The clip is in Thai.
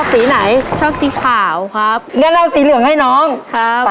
สีไหนชอบสีขาวครับงั้นเราสีเหลืองให้น้องครับ